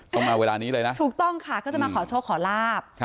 ต้องมาเวลานี้เลยนะถูกต้องค่ะก็จะมาขอโชคขอลาบ